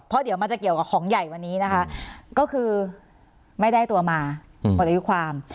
เพราะเดี๋ยวมันจะเกี่ยวกับของใหญ่วันนี้นะคะก็คือไม่ได้ตัวมาหมดอายุความ